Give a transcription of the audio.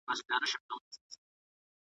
عزرائیل مي دی ملګری لکه سیوری ,